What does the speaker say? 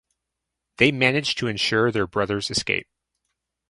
They managed to ensure their brothers escape.